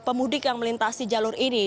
pemudik yang melintasi jalur ini